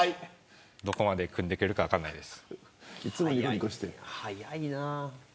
どこまで組んでくれるかは分かんないです。